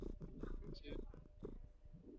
伊斯兰教法是卡塔尔立法的主要来源和依据。